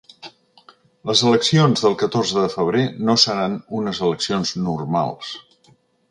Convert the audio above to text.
Les eleccions del catorze de febrer no seran unes eleccions normals.